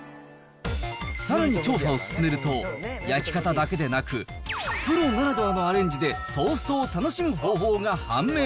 さらに調査を進めると、焼き方だけでなく、プロならではのアレンジで、トーストを楽しむ方法が判明。